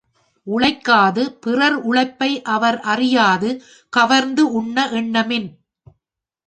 உழைக்காது, பிறர் உழைப்பை அவர் அறியாது கவர்ந்து உண்ண எண்ணன்மின்!